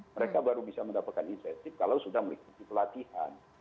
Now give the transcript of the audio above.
mereka baru bisa mendapatkan insentif kalau sudah mengikuti pelatihan